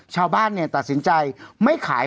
ชาวบ้านตัดสินใจไม่ขาย